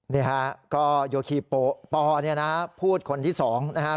นี่ฮะก็โยคีโปเนี่ยนะพูดคนที่๒นะครับ